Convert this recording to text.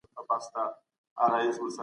د مقابل اړخ لپاره سخت شرطونه مه معياروئ